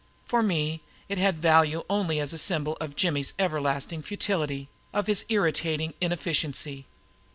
For me it had value only as a symbol of Jimmy's everlasting futility, of his irritating inefficiency.